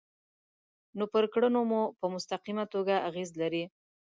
نو پر کړنو مو په مستقیمه توګه اغیز لري.